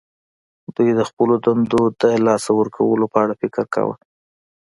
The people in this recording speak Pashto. دوی د خپلو دندو د لاسه ورکولو په اړه فکر کاوه